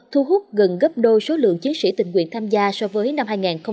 thu hút gần gấp đôi số lượng chiến sĩ tình nguyện tham gia so với năm hai nghìn một mươi tám